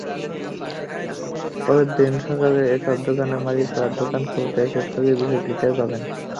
পরদিন সকালে এসব দোকানের মালিকেরা দোকান খুলতে এসে চুরির বিষয়টি টের পান।